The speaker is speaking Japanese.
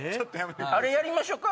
あれやりましょか？